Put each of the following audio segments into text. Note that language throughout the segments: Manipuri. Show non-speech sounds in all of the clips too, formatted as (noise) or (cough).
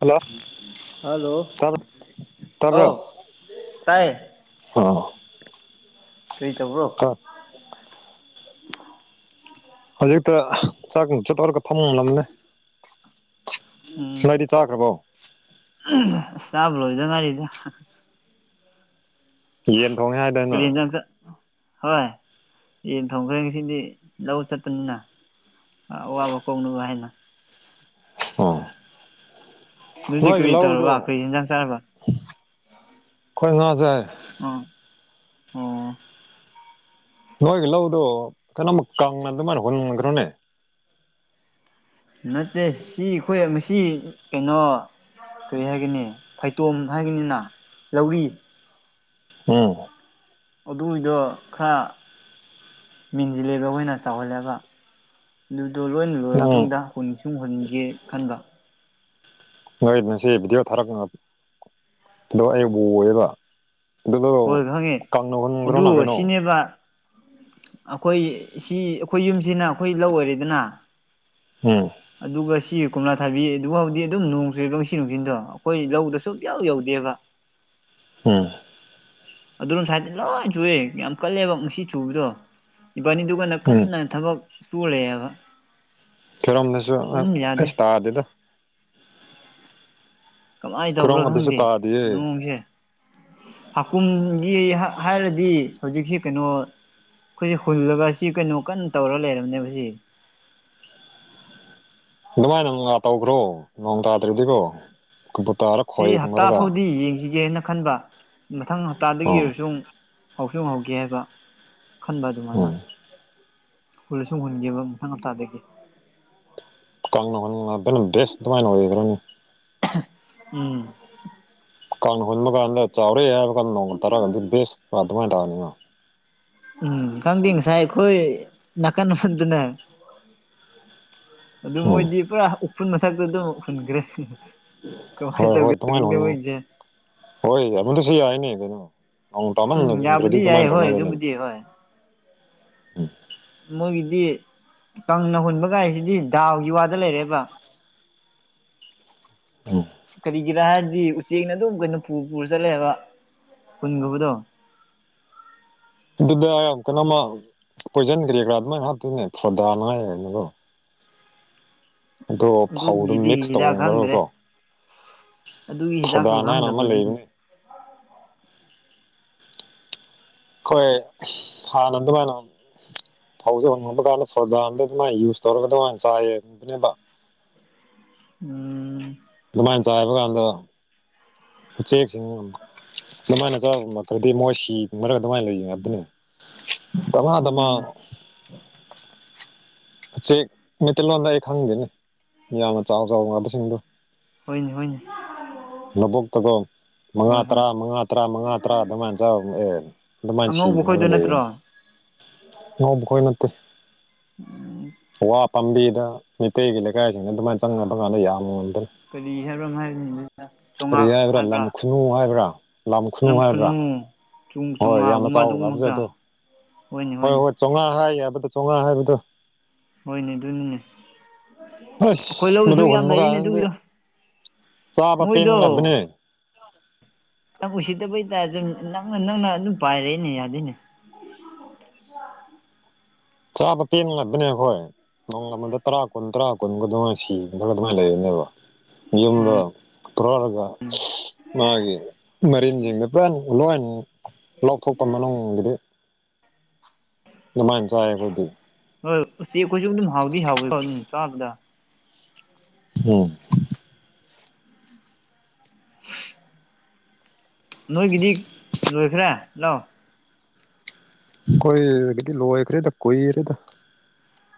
ꯍꯜꯂꯣ ꯍꯜꯂꯣ ꯇꯕ꯭ꯔꫭ ꯇꯥꯕ꯭ꯔꯣ ꯑꯧ ꯇꯥꯏ ꯑꯥ ꯀꯔꯤ ꯇꯧꯕ꯭ꯔꯣ ꯑ ꯍꯧꯖꯤꯛꯇ ꯆꯥꯛ ꯅꯨꯡ ꯆꯠ ꯂꯧꯔꯒ ꯐꯝꯂꯝꯅꯦ ꯎꯝ ꯆꯥꯈ꯭ꯔꯕꯣ ꯆꯥꯕ ꯂꯣꯏꯕꯗ ꯉꯥꯏꯔꯤꯗ ꯌꯦꯟ ꯊꯣꯡꯉꯦ ꯍꯥꯏꯗꯅ ꯀꯔꯤ ꯏꯟꯖꯥꯡ ꯆꯥ ꯍꯣꯏ ꯌꯦꯟ ꯊꫭꯡꯈ꯭ꯔꯦ ꯆꯁꯤꯡꯗꯤ ꯂꯧ ꯆꯠꯄꯅꯤꯅ ꯑꯋꯥꯕ ꯀꫭꯛꯅꯕ ꯍꯥꯏꯅ ꯑꫭ ꯅꯣꯏꯗꯤ ꯅꯣꯏꯒꯤ ꯀꯔꯤ ꯂꯧꯗꯣ ꯇꯧꯔꯕ ꯀꯔꯤ ꯍꯦꯟꯖꯥꯡ ꯆꯥꯔꯕ ꯑꯩꯈꯣꯏ ꯉꯥꯥꯁꯦ ꯑꯣ ꯑꯣ ꯅꯣꯏꯒꯤ ꯂꯧꯗꯣ ꯀꯩꯅꯣꯃꯛ ꯀꯪꯅ ꯑꯗꯨꯃꯥꯏꯅ ꯍꯨꯟꯈ꯭ꯔꯣꯅꯦ ꯅꯠꯇꯦ ꯁꯤ ꯑꯩꯈꯣꯏ ꯉꯁꯤ ꯀꯩꯅꯣ ꯀꯔꯤ ꯍꯥꯏꯒꯅꯤ ꯐꯩꯇꯣꯝ ꯍꯥꯏꯒꯅꯤꯅ ꯂꯧꯔꯤ ꯎꯝ ꯑꯗꯨꯗꯣ ꯈꯔ ꯃꯦꯟꯁꯤꯜꯂꯦꯕ ꯑꯈꯣꯏꯅ ꯆꯥꯎꯍꯜꯂꯦꯕ ꯑꯗꯨꯗꯣ ꯂꯣꯏꯅ ꯂꯣꯏꯔꯕ ꯅꯪ ꯃꯇꯨꯡꯗ ꯍꯨꯟꯁꯤꯡ ꯍꯨꯟꯒꯦ ꯈꯟꯕ ꯅꯣꯏ ꯉꯁꯤ ꯚꯤꯗꯤꯑꯣ ꯊꯥꯔꯛꯄꯗꯣ ꯑꯩ ꯎꯌꯦꯕ ꯑꯗꯨꯗꯣ ꯍꯣꯏ ꯈꯪꯉꯦ ꯀꯪꯅ ꯑꯗꯨ ꯍꯨꯟꯈ꯭ꯔꯣꯅ ꯀꯩꯅꯣ ꯁꯤꯅꯦꯕ ꯑꯩꯈꯣꯏ ꯁꯤ ꯑꯩꯈꯣꯏ ꯌꯨꯝꯁꯤꯅ ꯑꯩꯈꯣꯏ ꯂꯧ ꯑꯣꯏꯔꯦꯗꯅ ꯎꯝ ꯑꯗꯨꯒ ꯁꯤ ꯀꯣꯝꯂꯥ ꯊꯥꯕꯤ ꯑꯗꯨ ꯐꯥꯎꯗꯤ ꯑꯗꯨꯝ ꯅꯣꯡ ꯆꯨꯨꯔꯕ ꯉꯪꯁꯤ ꯅꯨꯡꯊꯤꯟꯗꯣ ꯑꯩꯈꯣꯏ ꯂꯧꯗ ꯁꯨꯡ ꯌꯥꯎ ꯌꯧꯗꯦꯕ ꯍꯝ ꯑꯗꯨꯔꯣꯝ ꯁꯥꯏꯗꯗꯤ ꯂꯣꯏ ꯆꯨꯏꯦ ꯌꯥꯝ ꯀꯜꯂꯦꯕ ꯉꯁꯤ ꯆꯨꯕꯗꯣ ꯏꯕꯥꯅꯤꯗꯨꯒꯅ ꯎꯝ ꯀꯟꯅ ꯊꯕꯛ ꯁꯨꯨꯔ ꯂꯩꯌꯦꯕ ꯊꯤꯔꯣꯝꯗꯁꯨ ꯑ ꯎꯝ ꯌꯥꯗꯦ ꯑꯁ ꯇꯥꯗꯦꯗ ꯀꯃꯥꯏꯅ ꯇꯧꯕ꯭ꯔꯥ ꯈꯣꯏꯔꯣꯝꯒꯗꯁꯨ ꯈꯪꯗꯦ ꯇꯥꯗꯤꯌꯦ ꯅꯣꯡꯁꯦ ꯍꯥꯀꯨꯝꯒꯤ ꯍꯥꯏ ꯍꯥꯏꯔꯗꯤ ꯍꯧꯖꯤꯛꯁꯤ ꯀꯩꯅꯣ ꯑꯩꯈꯣꯏꯁꯦ ꯍꯨꯜꯂꯒ ꯁꯤ ꯀꯩꯅꯣ ꯀꯟꯅ ꯇꯧꯔ ꯂꯩꯔꯕꯅꯦꯕ ꯁꯤ ꯑꯗꯨꯃꯥꯏꯅ ꯒꯥꯥ ꯇꯧꯕꯔꯣ ꯅꯣꯡ ꯇꯥꯗ꯭ꯔꯗꯤꯀꯣ ꯀꯕꯨꯨ ꯇꯥꯔ ꯈꯣꯏꯒꯨꯝꯃꯔꯒ ꯌꯦꯡꯁꯈꯤꯒꯦꯅ ꯈꯟꯕ ꯃꯊꯪ ꯍꯞꯇꯥꯗꯒꯤ ꯑꯥ ꯑꯣꯏꯔꯁꯨꯛ ꯍꯧꯁꯨ ꯍꯧꯒꯦ ꯍꯥꯏꯕ ꯈꯟꯕ ꯑꯗꯨꯃꯥꯏꯅ ꯎꯝ ꯍꯨꯜꯂꯁꯨ ꯍꯨꯟꯒꯦꯕ ꯃꯊꯪ ꯍꯞꯇꯥꯗꯒꯤ ꯀꯪꯅ ꯍꯨꯜꯂꯛꯀꯅꯨ ꯗꯔ꯭ꯦꯁ ꯑꯗꯨꯃꯥꯏꯅ ꯑꯣꯏꯒꯔꯅꯤ ꯎꯝ ꯀꯥꯡ ꯍꯨꯟꯕ ꯒꯟꯗ ꯆꯥꯎꯔꯦ ꯍꯥꯏꯕꯒ ꯀꯥꯟꯗ ꯅꯣꯡ ꯇꯥꯔꯛꯒꯗꯤ ꯕꯦꯁ ꯑꯗꯨꯃꯥꯏꯅ ꯇꯧꯔꯅꯤꯅ ꯎꯝ ꯈꯪꯗꯦ ꯉꯁꯥꯏ ꯑꯩꯈꯣꯏ ꯅꯥꯀꯟ ꯑꯐꯟꯗꯨꯅꯦ ꯑꯗꯨ ꯎꯝ ꯃꯣꯏꯗꯤ ꯄꯨꯔꯥ ꯎꯐꯨꯟ ꯃꯊꯛꯇ ꯗꯨꯝ ꯈꯨꯟꯒꯔꯦ ꯀꯃꯥꯏ ꯍꯣꯏ ꯇꯧ ꯍꯣꯏ ꯑꯗꯨꯃꯥꯏꯅ ꯈꯪꯗꯦ ꯍꯨꯟ ꯃꯣꯏꯁꯦ ꯍꯣꯏ ꯌꯥꯝꯣꯟꯗꯁꯨ ꯌꯥꯏꯅꯦ ꯀꯩꯅꯣ ꯅꯣꯡ ꯎꯝ ꯇꯃꯟꯗ꯭ꯔꯗꯤ ꯌꯥꯕꯨꯗꯤ ꯌꯥꯏ ꯑꯗꯨꯃꯥꯏꯅ ꯍꯣꯏ ꯇꯧꯅ ꯒꯅꯤ ꯑꯗꯨꯕꯨꯗꯤ ꯍꯣꯏ (inaudible) ꯃꯣꯏꯒꯤꯗꯤ ꯀꯪꯅ ꯍꯨꯟꯕꯒꯥꯏꯁꯤꯗꯤ ꯗꯥꯎꯒꯤ ꯋꯥꯗ ꯂꯩꯔꯦꯕ ꯎꯝ (inaudible) ꯀꯔꯤ ꯒꯤꯔꯥꯏꯗꯤ ꯎꯆꯦꯛꯅ ꯑꯗꯨꯝ ꯀꯩꯅꯣ ꯄꯨ ꯄꯨꯔ ꯆꯠꯂꯦꯕ ꯈꯨꯨꯟꯒꯤꯕꯗꯣ ꯑꯗꯨꯗ ꯀꯩꯅꯣꯃ ꯄꯣꯏꯖꯟꯀꯔꯤ ꯀ꯭ꯔꯥ ꯑꯗꯨꯃꯥꯏꯅ ꯍꯥꯞꯇꯣꯏꯅꯦ ꯐꯣꯗꯥꯅꯉꯥꯏ ꯍꯥꯏꯅꯗꯣ ꯐꯧꯗꯨ ꯑꯗꯨꯒꯤꯗꯤ ꯃꯤꯛꯁ ꯍꯤꯗꯥꯛ ꯈꯪꯗ꯭ꯔꯦ ꯇꯧꯔꯒꯀꯣ ꯑꯗꯨꯒꯤ ꯍꯤꯗꯥꯛꯇꯣ ꯐꯣꯗꯥꯟ ꯍꯥꯏꯅ ꯑꯃ ꯈꯪꯗꯕꯒꯤ ꯂꯩꯕꯅꯤ ꯑꯩꯈꯣꯏ ꯑꯁ ꯍꯥꯟꯅ ꯗꯨꯃꯥꯏꯅ ꯐꯧꯁꯦ ꯍꯨꯜ ꯍꯨꯜꯕ ꯀꯥꯟꯗ ꯐꯣꯔꯣꯖꯥꯝꯗ ꯑꯗꯨꯃꯥꯏꯅ ꯌꯨꯁ ꯇꯧꯔꯒ ꯑꯗꯨꯃꯥꯏꯅ ꯆꯥꯏꯌꯦ ꯕꯟꯕ ꯎꯝ ꯑꯗꯨꯃꯥꯏꯅ ꯆꯥꯏꯕ ꯀꯥꯟꯗ ꯎꯆꯦꯛ ꯁꯤꯡ ꯑꯗꯨꯃꯥꯏꯅ ꯆꯕ ꯉꯝꯗꯔꯗꯤ ꯃꯣꯏ ꯁꯤ ꯃꯔꯒ ꯑꯗꯨꯃꯥꯏꯅ ꯂꯩꯒꯔꯅꯤ ꯇꯃꯥꯗꯃ ꯎꯝ ꯎꯆꯦꯛ ꯃꯩꯇꯩꯂꯣꯟꯗ ꯑꯩ ꯈꯪꯗꯦꯅꯦ ꯃꯤꯌꯥꯝꯅ ꯆꯥꯎ ꯆꯥꯎ ꯉꯕꯁꯤꯡꯗꯣ ꯍꯣꯏꯅ ꯍꯣꯏꯅ ꯂꯕꯨꯛ ꯇꯒ ꯃꯉꯥ ꯍꯣꯏ ꯍꯣꯏ ꯇꯔꯥ ꯃꯉꯥ ꯇꯔꯥ ꯃꯉꯥ ꯇꯔꯥ ꯑꯗꯨꯃꯥꯏꯅ ꯆꯕ ꯑꯦ ꯑꯗꯨꯃꯥꯏꯅ ꯑꯉꯧꯕ ꯁꯤꯈꯔꯒ ꯈꯣꯏꯗꯣ ꯂꯩꯌꯦ ꯅꯠꯇ꯭ꯔꯣ ꯅꯣꯡꯈꯣꯏ ꯅꯠꯇꯦ (inaudible) ꯎ ꯋꯥ ꯄꯥꯝꯕꯤꯗ ꯃꯩꯇꯩꯒꯤ ꯂꯩꯀꯥꯏꯁꯤꯡꯅ ꯑꯗꯨꯃꯥꯏꯅ ꯆꯪꯉꯕꯀꯥꯟꯗ ꯌꯥꯝꯃꯨꯗ ꯀꯔꯤ ꯍꯥꯏꯕ꯭ꯔꯥ ꯑꯃ ꯍꯥꯏꯕꯅꯤꯗ ꯀꯔꯤ ꯆꯣꯉꯥ ꯍꯨꯕꯔꯥ ꯂꯝ ꯍꯥꯏꯕ꯭ꯔꯥ ꯈꯨꯅꯨ ꯍꯥꯏꯕ꯭ꯔꯥ ꯂꯝ ꯈꯨꯅꯨ ꯍꯥꯏꯕ꯭ꯔꯥ ꯍꯣꯏ ꯌꯥꯝꯅ ꯆꯣꯉꯥꯒꯨꯝꯕ ꯆꯥꯎꯕ ꯑꯗꯨꯒꯨꯝꯕ ꯉꯥꯁꯥꯞꯗꯣ ꯈꯛꯇ ꯍꯣꯏꯅꯦ ꯍꯣꯏ ꯍꯣꯏꯅꯦ ꯍꯣꯏ ꯆꯧꯉꯥ ꯍꯥꯏ ꯍꯥꯏꯕꯗꯣ ꯆꯧꯉꯥ ꯍꯥꯏꯕꯗꯣ ꯍꯣꯏꯅꯦ ꯑꯗꯨꯅꯤꯅꯦ ꯑꯩꯈꯣꯏ ꯑꯁ ꯂꯧꯁꯨ ꯃꯗꯨ ꯌꯥꯝ ꯍꯨꯟꯕ ꯂꯩꯔꯤꯅꯦ ꯀꯥꯟꯗꯗꯤ ꯑꯗꯨꯒꯤꯗꯣ ꯆꯥꯕ ꯄꯦꯟ ꯂꯕꯅꯦ (inaudible) ꯅꯪ ꯎꯁꯤꯠꯇꯕꯩ ꯇꯥꯏꯞꯇ ꯅꯛꯅ ꯅꯪꯅ ꯑꯗꯨꯝ ꯄꯥꯏꯔꯦꯅꯦ ꯌꯥꯗꯦꯅꯦ ꯆꯥꯕ ꯄꯦꯟꯅꯕꯅꯦ ꯑꯩꯍꯣꯏ ꯅꯣꯡ ꯑꯃꯗ ꯇꯔꯥ ꯀꯨꯟ ꯇꯔꯥ ꯀꯨꯟꯒ ꯑꯗꯨꯃꯥꯏꯅ ꯁꯤꯔꯒꯥ ꯂꯩꯕꯅꯦꯕ ꯌꯨꯝꯗ ꯀ꯭ꯔꯣꯔꯒ ꯃꯥꯒꯤ ꯃꯔꯤꯟꯁꯤꯡꯗ ꯄꯨꯔꯥ ꯂꯣꯏ ꯂꯧꯊꯣꯛꯄ ꯃꯅꯨꯡꯒꯤꯗꯤ ꯑꯗꯨꯃꯥꯏꯅ ꯆꯥꯏ ꯑꯩꯈꯣꯏꯗꯤ ꯍꯣꯏ ꯎꯆꯦꯛꯈꯣꯏꯁꯨ ꯑꯗꯨꯝ ꯍꯥꯎꯗꯤ ꯍꯥꯎꯏꯀꯣ ꯆꯥꯕꯗ ꯎꯝ ꯅꯣꯏꯒꯤꯗꯤ ꯂꯣꯏꯈ꯭ꯔꯦ ꯂꯧ ꯑꯩꯈꯣꯏꯒꯤꯗꯤ ꯂꯣꯏꯈ꯭ꯔꯦꯗ ꯀꯨꯏꯔꯦꯗ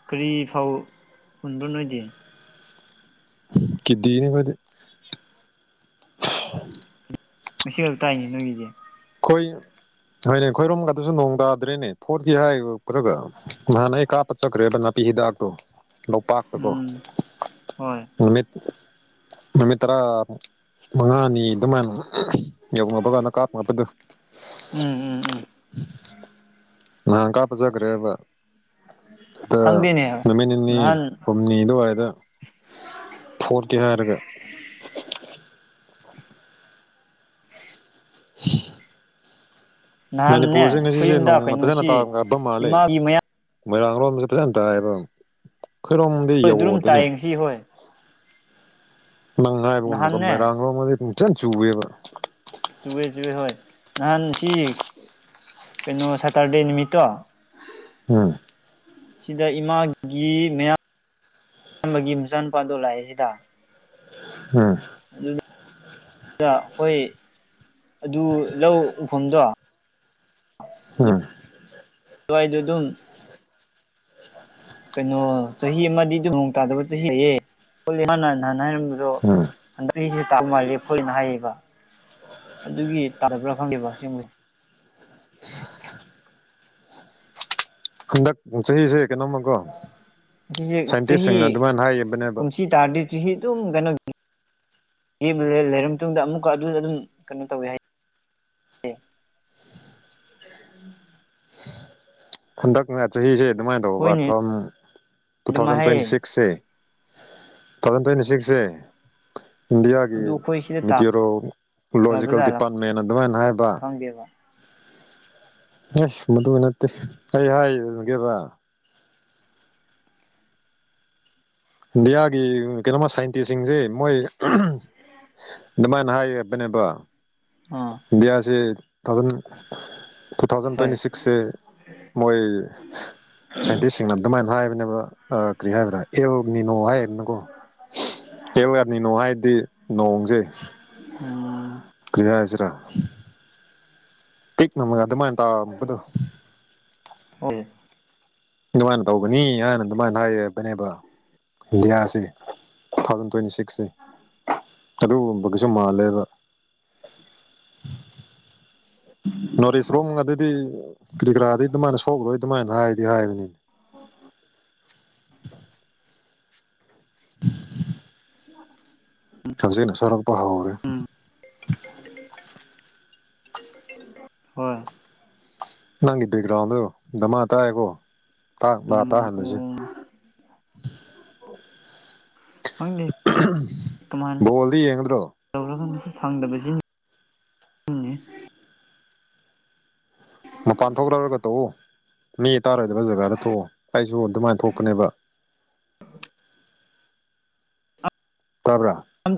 ꯀꯔꯤ ꯐꯧ ꯍꯨꯟꯕ꯭ꯔꯣ ꯅꯣꯏꯗꯤ ꯀꯤꯗꯤꯅꯤ ꯑꯈꯣꯏꯗꯤ ꯉꯁꯤ ꯈꯥꯛ ꯇꯥꯏꯅꯦ ꯅꯣꯏꯒꯤꯗꯤ ꯈꯣꯏ ꯍꯣꯏꯅꯦ ꯈꯣꯏꯔꯣꯝꯒꯗꯁꯨ ꯅꯣꯡ ꯇꯥꯗ꯭ꯔꯦꯅꯦ ꯐꯣꯠꯀꯤ ꯍꯥꯏꯔꯒ ꯅꯍꯥꯟꯅ ꯑꯩ ꯀꯥꯞꯄ ꯆꯠꯈ꯭ꯔꯦꯕ ꯅꯥꯄꯤ ꯍꯤꯗꯥꯛꯇꯣ ꯂꯧꯄꯥꯛ ꯇꯀꯣ ꯎꯝ ꯍꯣꯏ ꯅꯨꯃꯤꯠ ꯅꯨꯃꯤꯠ ꯇꯔꯥꯃꯨꯛ ꯃꯉꯥꯅꯤ ꯑꯗꯨꯃꯥꯏꯅ ꯌꯧꯅꯕꯀꯥꯟꯗ ꯀꯥꯞꯅꯕꯗꯨ ꯎꯝ ꯎꯝ ꯎꯝ ꯅꯍꯥꯟ ꯀꯥꯞꯄ ꯆꯠꯈ꯭ꯔꯦꯕ ꯑꯗ ꯈꯪꯗꯦꯅꯦ ꯅꯨꯃꯤꯠ ꯅꯤꯅꯤ ꯅꯍꯥꯟ ꯍꯨꯝ ꯅꯤ ꯑꯗꯨꯋꯥꯏꯗ ꯐꯣꯠꯀꯦ ꯍꯥꯏꯔꯒ (inaudible) ꯅꯍꯥꯟꯅꯦ ꯃꯅꯤꯄꯨꯔꯁꯦ ꯑꯩꯈꯣꯏ ꯉꯁꯤꯁꯦ ꯌꯨꯝꯗ ꯅꯣꯡꯃ ꯐꯖꯅ ꯀꯩꯅꯣꯁꯤ ꯇꯥꯅꯕ ꯃꯥꯜꯂꯦ ꯏꯃꯥꯒꯤ ꯃꯌꯥꯝ ꯃꯣꯏꯔꯥꯡ ꯂꯣꯝꯗ ꯐꯖꯅ ꯇꯥꯏꯕ ꯈꯣꯏꯔꯣꯝ ꯍꯣꯏ ꯗꯨꯔꯨꯝ ꯇꯥꯏꯌꯦ ꯉꯁꯤ ꯍꯣꯏ ꯅꯪꯅ ꯍꯥꯏꯕꯒꯨꯝꯅ ꯅꯍꯥꯟꯅꯦ ꯃꯣꯏꯔꯥꯡꯔꯣꯝꯒꯥꯗꯤ ꯅꯣꯡ ꯐꯖꯅ ꯆꯨꯋꯦꯕ ꯆꯨꯌꯦ ꯆꯨꯌꯦ ꯍꯣꯏ ꯅꯍꯥꯟ ꯁꯤ ꯀꯩꯅꯣ ꯁꯇꯔꯗꯦ ꯅꯨꯃꯤꯠꯇꯣ ꯎꯝ ꯁꯤꯗ ꯏꯃꯥꯒꯤ ꯃꯌꯥꯝ ꯃꯌꯥꯝꯕꯒꯤ ꯃꯆꯥ ꯅꯨꯨꯄꯥꯗꯣ ꯂꯥꯛꯌꯦ ꯁꯤꯗ ꯎꯝ ꯑꯗꯨꯗ ꯑꯩꯈꯣꯏ ꯑꯗꯨ ꯂꯧ ꯎꯐꯝꯗꯣ ꯑꯝ ꯑꯗꯨꯋꯥꯏꯗꯨ ꯑꯗꯨꯝ ꯀꯩꯅꯣ ꯆꯍꯤ ꯑꯃꯗꯤ ꯅꯣꯡ ꯇꯥꯗꯕ ꯆꯍꯤ ꯅꯍꯥꯟ ꯍꯥꯏꯔꯝꯕꯗꯣ ꯎꯝ ꯍꯟꯗꯛ ꯆꯍꯤꯁꯦ ꯇꯥꯕ ꯃꯥꯜꯂꯦ ꯈꯣꯏꯅ ꯍꯥꯏꯌꯦꯕ ꯑꯗꯨꯒꯤ ꯇꯥꯗꯕ꯭ꯔꯥ ꯈꯪꯗꯦꯕ ꯁꯤꯒꯨꯝꯕꯁꯦ ꯍꯟꯗꯛ ꯆꯍꯤꯁꯦ ꯀꯩꯅꯣꯝꯃꯀꯣ ꯉꯁꯤꯁꯦ ꯁꯥꯏꯟꯇꯤꯁꯁꯤꯡꯅ ꯑꯗꯨꯃꯥꯏꯅ ꯍꯥꯏꯈꯤꯕꯅꯦꯕ ꯇꯔꯗꯤ ꯆꯍꯤ ꯑꯗꯨꯝ ꯀꯩꯅꯣ ꯂꯂꯩꯔ ꯃꯇꯨꯡꯗ ꯑꯃꯨꯛꯀ ꯑꯗꯨꯝ ꯑꯗꯨꯝ ꯀꯩꯅꯣ ꯇꯧꯋꯦ ꯍꯥꯏ (inaudible) ꯍꯟꯗꯛꯅ ꯆꯍꯤꯁꯦ ꯑꯗꯨꯃꯥꯏꯅ ꯇꯧꯕ ꯍꯣꯏꯅꯦ ꯐꯝ ꯇꯨ ꯑꯗꯨꯃꯥꯏ ꯊꯥꯎꯖꯟ ꯍꯥꯏꯌꯦ ꯇ꯭ꯋꯦꯟꯇꯤ ꯁꯤꯛꯁꯁꯦ ꯇꯨ ꯊꯥꯎꯖꯟ ꯇ꯭ꯋꯦꯟꯇꯤ ꯁꯤꯛꯁꯁꯦ ꯏꯟꯗꯤꯌꯥꯒꯤ ꯑꯗꯨ ꯑꯩꯈꯣꯏ ꯁꯤꯗ ꯃꯦꯇꯤꯌꯨꯔꯣ ꯇꯥꯈ꯭ꯔꯕ ꯂꯣꯖꯤꯀꯦꯜ ꯖꯥꯠꯂꯥ ꯗꯤꯄꯥꯔꯠꯃꯦꯟ ꯑꯗꯨꯃꯥꯏꯅ ꯍꯥꯏꯕ ꯈꯪꯗꯦꯕ ꯑꯁ ꯃꯗꯨ ꯅꯠꯇꯦ ꯑꯩ ꯍꯥꯏ ꯑꯗꯨꯒꯦꯕ ꯏꯟꯗꯤꯌꯥꯒꯤ ꯀꯩꯅꯣꯃ ꯁꯥꯏꯟꯇꯤꯁ ꯁꯤꯡꯖꯦ ꯃꯣꯏ ꯑꯗꯨꯃꯥꯏꯅ ꯍꯥꯏꯕꯅꯦꯕ ꯑꯥ ꯏꯟꯗꯤꯌꯥꯁꯦ ꯇꯨ ꯊꯥꯎꯖꯟ ꯇꯨ ꯊꯥꯎꯖꯟ ꯍꯣꯏ ꯇ꯭ꯋꯦꯟꯇꯤ ꯁꯤꯛ ꯁꯦ ꯃꯣꯏ ꯁꯥꯏꯟꯇꯤꯁ ꯁꯤꯡꯅ ꯑꯗꯨꯃꯥꯏꯅ ꯍꯥꯏꯕꯅꯦꯕ ꯑꯥ ꯀꯔꯤ ꯍꯥꯏꯕ꯭ꯔꯥ ꯑꯦꯜ ꯅꯤꯅꯣ ꯍꯥꯏꯅꯀꯣ (unintelligible) ꯅꯤꯅꯣ ꯍꯥꯏꯔꯗꯤ ꯅꯣꯡꯖꯦ ꯎꯝ ꯀꯩ ꯍꯥꯏꯖꯤꯔꯥ ꯅꯪꯅ ꯑꯗꯨꯃꯥꯏ ꯇꯕꯗꯨ (unintelligible) ꯑꯗꯨꯃꯥꯏꯅ ꯇꯧꯕꯅꯤ ꯍꯥꯏꯅ ꯑꯗꯨꯃꯥꯏꯅ ꯍꯥꯏꯔꯦꯕꯅꯦꯕ ꯏꯟꯗꯤꯌꯥꯁꯦ ꯇꯨ ꯊꯥꯎꯖꯟ ꯇ꯭ꯋꯦꯟꯇꯤ ꯁꯤꯛꯁꯁꯦ ꯑꯗꯨꯒꯨꯝꯕꯒꯖꯨ ꯃꯥꯜꯂꯦꯕ ꯅꯣꯔꯤꯁ ꯔꯣꯝ ꯑꯗꯨꯗꯤ ꯀꯔꯤ ꯀꯔꯥꯗꯤ ꯑꯗꯨꯃꯥꯏꯅ ꯁꯣꯛꯂꯣꯏ ꯑꯗꯨꯃꯥꯏꯅ ꯍꯥꯏꯗꯤ ꯍꯥꯏꯕꯅꯦ ꯑꯣ (unintelligible) ꯍꯧꯖꯤꯛꯅ ꯁꯣꯛꯔꯛꯄ ꯍꯧꯔꯦ (unintelligible) ꯍꯣꯏ ꯅꯪꯒꯤ ꯕꯦꯛꯒ꯭ꯔꯥꯎꯟꯗꯣ ꯗꯃꯥ ꯇꯥꯏꯌꯦꯀꯣ ꯇ ꯅ ꯎꯝ ꯇꯥꯍꯟꯂꯖꯤ (unintelligible) ꯈꯪꯗꯦ ꯀꯃꯥꯏ ꯕꯣꯜꯗꯤ ꯌꯦꯡꯒꯗ꯭ꯔꯣ ꯇꯧꯔꯒꯅꯣ ꯐꯪꯗꯕꯁꯤꯅꯤ ꯃꯄꯥꯟ ꯊꯣꯛꯔꯛꯂꯒ ꯇꯧꯑꯣ ꯃꯤ ꯇꯥꯔꯣꯏꯗꯕ ꯖꯒꯥꯗ ꯊꯣꯛꯑꯣ ꯑꯩꯖꯨ ꯑꯗꯨꯃꯥꯏꯅ ꯊꯣꯛꯄꯅꯦꯕ ꯇꯥꯕ꯭ꯔꯥ ꯑꯪ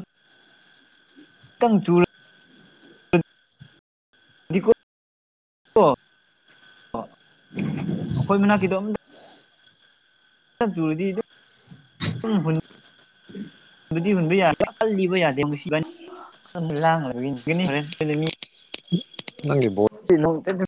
ꯇꯝ ꯆꯨꯔ ꯗꯤꯀꯣ ꯑꯈꯣꯏ ꯃꯅꯥꯛꯀꯤꯗꯣ ꯑꯝ (unintelligible) ꯆꯨꯔꯗꯤ (unintelligible) (unintelligible) ꯑꯗꯨꯗꯤ ꯍꯨꯟꯕ ꯌꯥ (unintelligible) ꯂꯤꯕ ꯌꯥꯗꯦ ꯃꯁꯤ ꯏꯕꯅꯤ (unintelligible) ꯅꯪꯒꯤ ꯕꯣꯠ ꯣ (unintelligible)